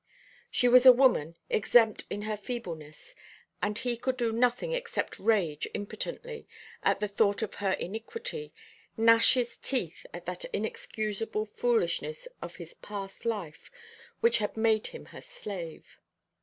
She was a woman, exempt in her feebleness; and he could do nothing except rage impotently at the thought of her iniquity, gnash his teeth at that inexcusable foolishness of his past life which had made him her slave.